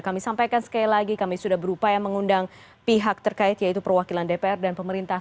kami sampaikan sekali lagi kami sudah berupaya mengundang pihak terkait yaitu perwakilan dpr dan pemerintah